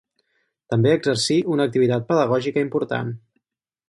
També exercí una activitat pedagògica important.